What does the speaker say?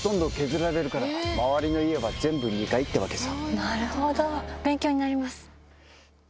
なるほど勉強になります。